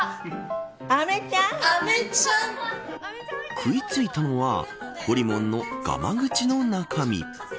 食いついたのはほりもんのがま口の中身。